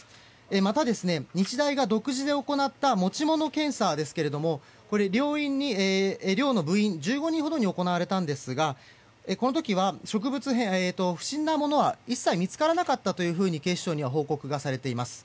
また、日大が独自で行った持ち物検査ですけれども寮の部員１５人ほどに行われたんですがこの時は不審なものは一切見つからなかったというふうに警視庁には報告がされています。